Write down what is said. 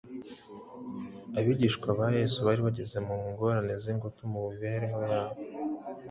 Abigishwa ba Yesu bari bageze mu mu ngorane z’ingutu mu mibereho yabo.